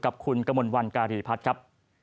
กับคุณกมลวันการีพัฒน์ครับ